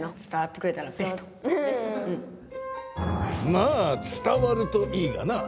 まあ伝わるといいがな。